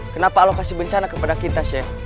kenapa allah kasih bencana kepada kita chef